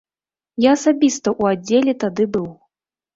Я асабіста ў аддзеле тады быў.